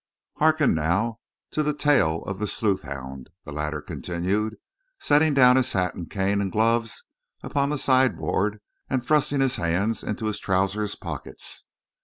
"Hearken now to the tale of the sleuthhound," the latter continued, setting down his hat, cane and gloves upon the sideboard and thrusting his hands into his trousers pockets.